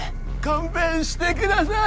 勘弁してください！